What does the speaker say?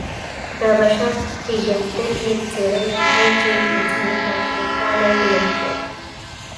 د بشر پېژندنې څېړنې ښيي چې انساني تاوتریخوالی لږ و.